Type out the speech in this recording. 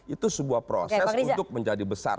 itu sebuah proses untuk menjadi besar